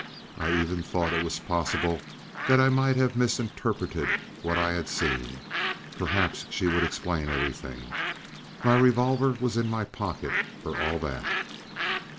I even thought it possible that I might have misinterpreted what I had seen. Perhaps she would explain everything. My revolver was in my pocket for all that.